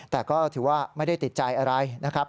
แต่ก็ถือว่าไม่ได้ติดใจอะไรนะครับ